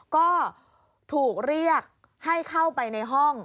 ก็ถูกเรียกให้เข้าไปในห้อง